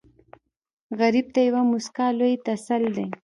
غریب ته یوه موسکا لوی تسل دی